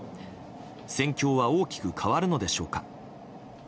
戦況は大きく変わるのでしょうか。